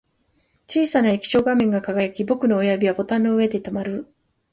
小さな液晶画面が輝き、僕の親指はボタンの上で止まる